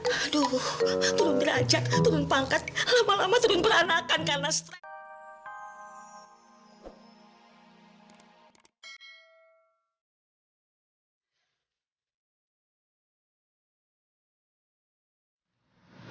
aduh turun belajar turun pangkat lama lama turun beranakan karena stress